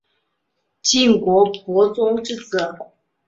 晋国伯宗之子。